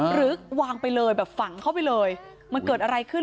หรือวางไปเลยแบบฝังเข้าไปเลยมันเกิดอะไรขึ้น